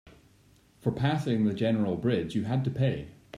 For passing the general bridge, you had to pay.